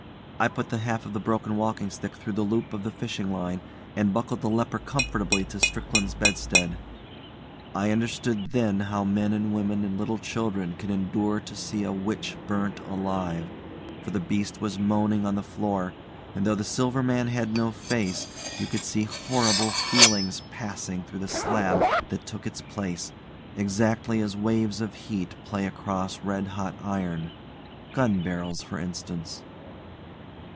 I put the half of the broken walking stick through the loop of fishing line and buckled the leper comfortably to Strickland's bedstead. I understood then how men and women and little children can endure to see a witch burnt alive; for the beast was moaning on the floor, and though the Silver Man had no face, you could see horrible feelings passing through the slab that took its place, exactly as waves of heat play across red hot iron gun barrels for instance.